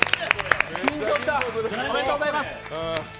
おめでとうございます。